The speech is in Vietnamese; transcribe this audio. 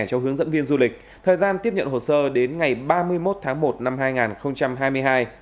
cho hướng dẫn viên du lịch thời gian tiếp nhận hồ sơ đến ngày ba mươi một tháng một năm hai nghìn hai mươi hai